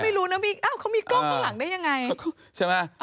ก็ไม่รู้นะเขามีกล้องข้างหลังได้ยังไง